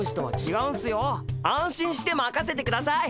安心してまかせてください。